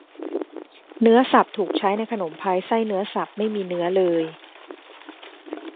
เนื้อสับถูกใช้ในขนมพายไส้เนื้อสับไม่มีเนื้อเลย